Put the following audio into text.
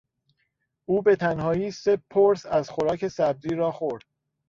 او به تنهایی سه پرس از خوراک سبزی را خورد.